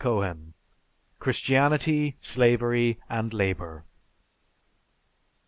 Cohen: "Christianity, Slavery, and Labor."